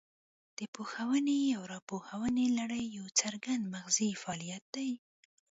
د پوهونې او راپوهونې لړۍ یو څرګند مغزي فعالیت دی